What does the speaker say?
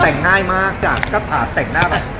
แต่งง่ายมากจากกระป๋าแต่งหน้าเร็วมาก